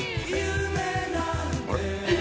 あれ？